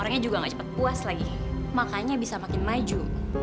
orangnya juga gak cepat puas lagi makanya bisa makin maju